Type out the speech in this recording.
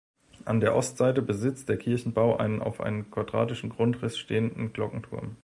An der Ostseite besitzt der Kirchenbau einen auf einen quadratischen Grundriss stehenden Glockenturm.